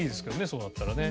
そうなったらね。